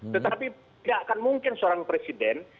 tetapi tidak akan mungkin seorang presiden